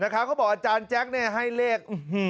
เขาบอกว่าอาจารย์แจ๊กนี่ให้เลข